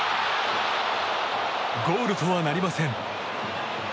ゴールとはなりません。